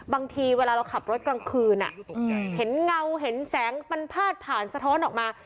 บางทีเวลาเราขับรถกลางคืนเห็นเงาเห็นแสงมันพาดผ่านสะท้อนออกมา